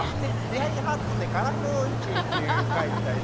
「ヒヤリハットでカラフルうんち」っていう回みたいなね。